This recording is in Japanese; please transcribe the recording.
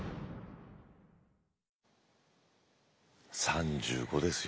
３５ですよ